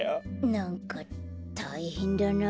なんかたいへんだなあ。